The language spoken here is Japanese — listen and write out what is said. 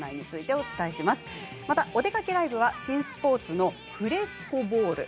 「おでかけＬＩＶＥ」は新スポーツのフレスコボール。